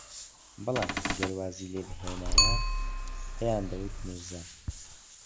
بەڵام گەر وازی لێبھێنایە پێیان دەوت میرزا